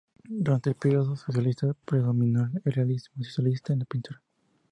Durante el período socialista, predominó el realismo socialista en la pintura.